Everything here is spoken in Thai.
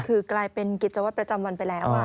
คือกลายเป็นกิจวัตรประจำวันไปแล้ว